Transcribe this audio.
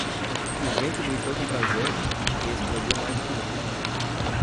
O vento gritou com prazer? e explodiu mais do que nunca.